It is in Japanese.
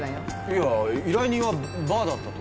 いやあ依頼人はバーだったと。